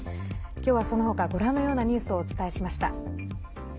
今日は、その他ご覧のようなニュースをお伝えしました。